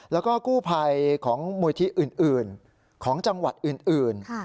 แล้วก็กู้ภัยของมูลที่อื่นของจังหวัดอื่น